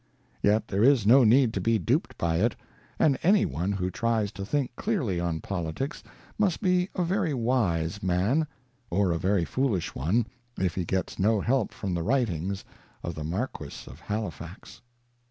Yet there is no need to be duped by it ; and any one who tries to think clearly on politics must be a very wise man, or a very foolish one, if he gets no help from the writings of the Marquess of Halifax.